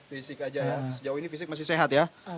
fisik aja sejauh ini fisik masih sehat ya